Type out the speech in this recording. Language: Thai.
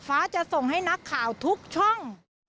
ฟ้าจะส่งให้นักข่าวทุกช่อง